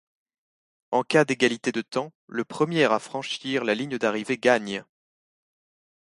En cas d'égalité de temps, le premier à franchir la ligne d'arrivée gagne.